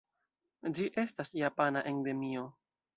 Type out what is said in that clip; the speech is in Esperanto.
Ĝi estas japana endemio.